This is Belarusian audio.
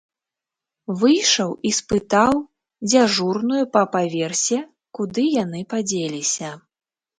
Выйшаў і спытаў дзяжурную па паверсе, куды яны падзеліся.